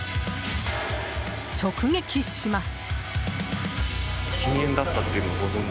直撃します。